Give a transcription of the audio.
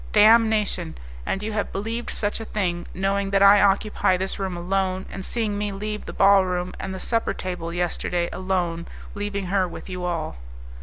"Damnation! And you have believed such a thing, knowing that I occupy this room alone, and seeing me leave the ball room and the supper table yesterday alone, leaving her with you all!"